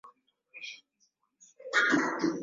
Takriban kilomita hamsini kaskazini ya kisiwa cha Unguja